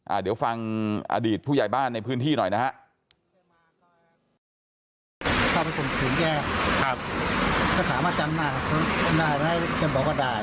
อ่าเดี๋ยวฟังอดีตผู้ยายบ้านในพื้นที่หน่อยนะครับ